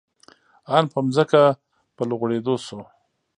آن په ځمکه په لوغړېدو شو.